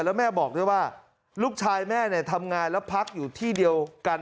แล้วแม่บอกด้วยว่าลูกชายแม่ทำงานแล้วพักอยู่ที่เดียวกัน